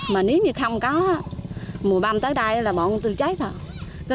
mà nếu như không có mùa băm tới đây là bọn tôi chết rồi